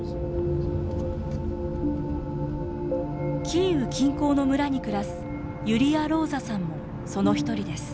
キーウ近郊の村に暮らすユリア・ローザさんもその一人です。